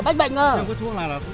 bây giờ tiền cô đưa cho mày đâu